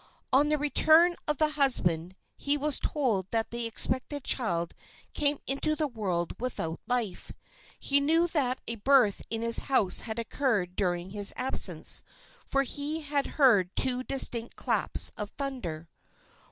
On the return of the husband he was told that the expected child came into the world without life. He knew that a birth in his house had occurred during his absence, for he had heard two distinct claps of thunder.